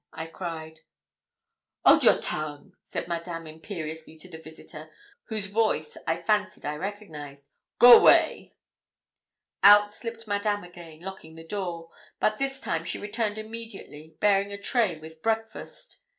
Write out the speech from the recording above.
I cried. 'Hold a your tongue,' said Madame imperiously to the visitor, whose voice I fancied I recognised 'go way.' Out slipped Madame again, locking the door; but this time she returned immediately, bearing a tray with breakfast.